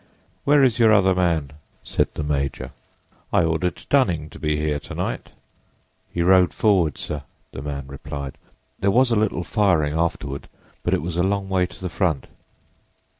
"Where is your other man?" said the major. "I ordered Dunning to be here to night." "He rode forward, sir," the man replied. "There was a little firing afterward, but it was a long way to the front."